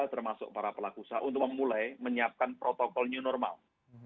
termasuk para pelaku usaha untuk memulai menyiapkan protokol new normal